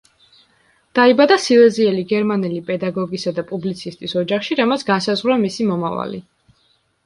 დაიბადა სილეზიელი გერმანელი პედაგოგისა და პუბლიცისტის ოჯახში, რამაც განსაზღვრა მისი მომავალი.